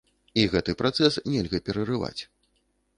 І гэты працэс нельга перарываць.